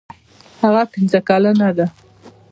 هغه پنځه کلنه ده.